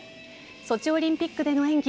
ソチオリンピックでの演技